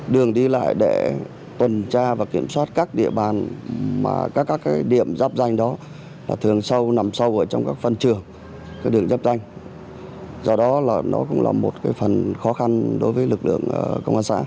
đường đi lại để tuần tra và kiểm soát các địa bàn các điểm giáp ranh đó thường nằm sâu trong các phân trường đường giáp ranh do đó nó cũng là một phần khó khăn đối với lực lượng công an xã